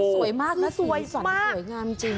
สวยมากนะสีสวรรค์สวยงามจริง